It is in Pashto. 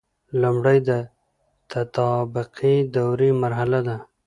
لمړی د تطابقي دورې مرحله ده.